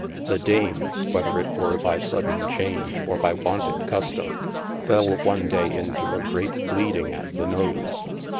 The Dame (whether it were by sodaine chaunge, or of wonted custome) fell one day into a greate bleeding at the nose.